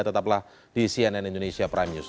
tetaplah di cnn indonesia prime news